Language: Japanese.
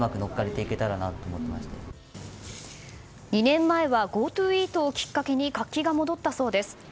２年前はＧｏＴｏイートをきっかけに活気が戻ったそうです。